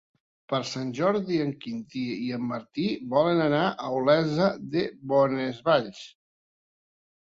Per Sant Jordi en Quintí i en Martí volen anar a Olesa de Bonesvalls.